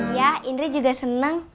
iya indri juga seneng